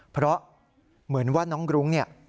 เพราะเหมือนว่าน้องรุ้งเนี่ย